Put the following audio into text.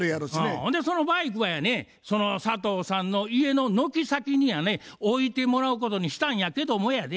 ほんでそのバイクはやねその佐藤さんの家の軒先にやね置いてもらうことにしたんやけどもやで。